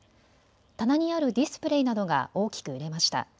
棚にあるディスプレーなどが大きく揺れました。